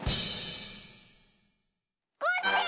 コッシー！